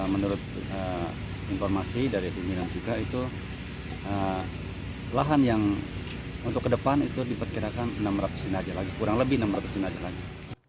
menurut informasi dari bumi dan juga itu lahan yang untuk ke depan itu diperkirakan enam ratus jenazah lagi kurang lebih enam ratus jenazah lagi